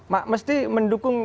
mbak mesti mendukung